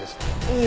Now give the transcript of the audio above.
ええ。